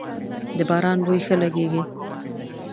د باران بوی ښه لږیږی